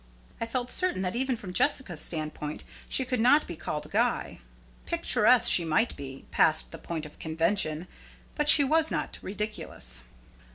I felt certain that even from Jessica's standpoint she could not be called a guy. Picturesque she might be, past the point of convention, but she was not ridiculous.